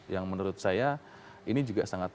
yang menurut saya ini juga sangat